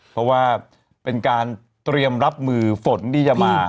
เพราะว่าเป็นการเตรียมรับมือฝนที่จะมา